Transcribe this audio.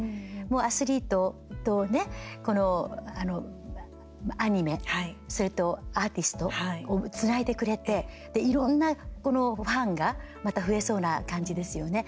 もうアスリートとアニメ、それとアーティストをつないでくれて、いろんなファンがまた増えそうな感じですよね。